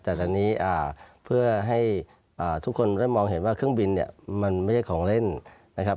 แต่ตอนนี้เพื่อให้ทุกคนเริ่มมองเห็นว่าเครื่องบินเนี่ยมันไม่ใช่ของเล่นนะครับ